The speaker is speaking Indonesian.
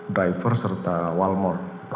driver serta walmore yang mulia